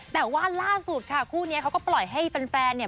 แต่ว่าล่าสุดค่ะคู่นี้เขาก็ปล่อยให้แฟนเนี่ย